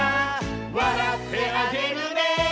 「わらってあげるね」